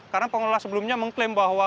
karena pengelola sebelumnya mengklaim bahwa